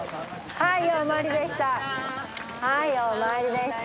はいようお参りでした。